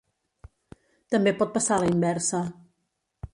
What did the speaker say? També pot passar a la inversa.